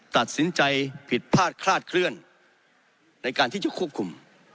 ตัดสินใจผิดพลาดคลาดเคลื่อนในการที่จะควบคุม